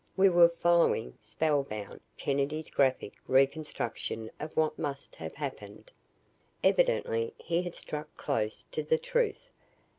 We were following, spell bound, Kennedy's graphic reconstruction of what must have happened. Evidently he had struck close to the truth.